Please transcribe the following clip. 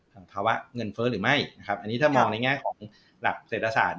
ถ้าว่าเงินเฟ้อหรือไม่อันนี้ถ้ามองในง่ายของหลักเศรษฐศาสตร์